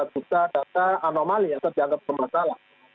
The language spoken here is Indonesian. dua puluh tujuh empat juta data anomali yang terjangkau ke masalah